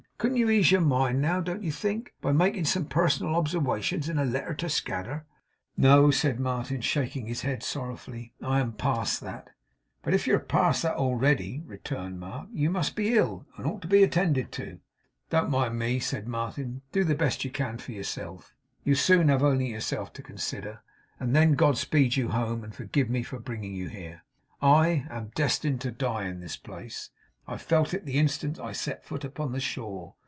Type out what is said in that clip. Couldn't you ease your mind, now, don't you think, by making some personal obserwations in a letter to Scadder?' 'No,' said Martin, shaking his head sorrowfully: 'I am past that.' 'But if you're past that already,' returned Mark, 'you must be ill, and ought to be attended to.' 'Don't mind me,' said Martin. 'Do the best you can for yourself. You'll soon have only yourself to consider. And then God speed you home, and forgive me for bringing you here! I am destined to die in this place. I felt it the instant I set foot upon the shore.